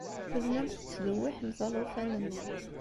Tellamt tettdewwiḥemt alufan-nni.